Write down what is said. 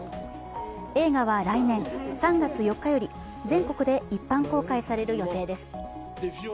映画は来年３月４日より全国で一般公開される予定です。